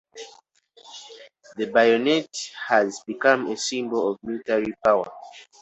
The bayonet has become a symbol of military power.